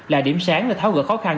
là điểm sáng để tháo gỡ khó khăn